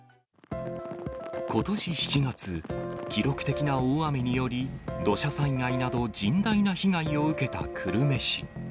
ことし７月、記録的な大雨により、土砂災害など甚大な被害を受けた久留米市。